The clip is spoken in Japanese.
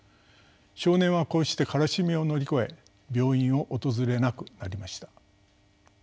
少年はこうして悲しみを乗り越え病院を訪れなくなりました。